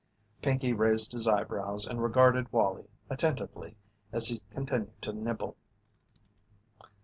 Pinkey raised his eyebrows and regarded Wallie attentively as he continued to nibble.